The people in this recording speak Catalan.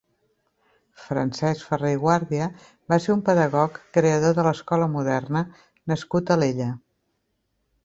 Francesc Ferrer i Guàrdia va ser un pedagog creador de l'Escola Moderna nascut a Alella.